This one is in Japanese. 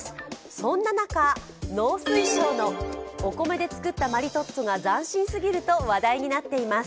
そんな中、農水省のお米で作ったマリトッツォが斬新すぎると話題になっています。